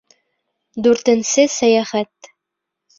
ДҮРТЕНСЕ СӘЙӘХӘТ